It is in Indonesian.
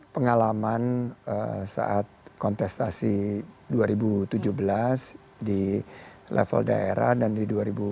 pengalaman saat kontestasi dua ribu tujuh belas di level daerah dan di dua ribu sembilan belas